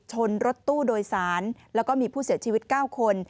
ชนรถตู้โดยสารแล้วก็มีผู้เสียชีวิต๙คน